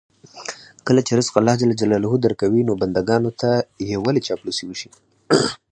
کله چې رزق الله ج درکوي، نو بندګانو ته یې ولې چاپلوسي وشي.